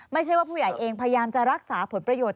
ไม่ใช่ว่าผู้ใหญ่เองพยายามจะรักษาผลประโยชน